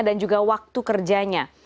dan juga waktu kerjanya